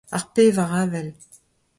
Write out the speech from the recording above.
Ar pevar avel.